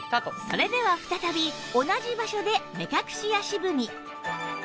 それでは再び同じ場所で目隠し足踏み